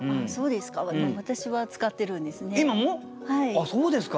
あっそうですか。